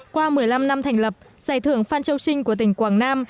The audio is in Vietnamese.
qua một mươi năm năm thành lập giải thưởng phan châu trinh của tỉnh quảng nam